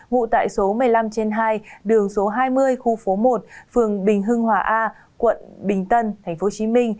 ngụ tại số một mươi năm trên hai đường số hai mươi khu phố một phường bình hưng hòa a quận bình tân tp hcm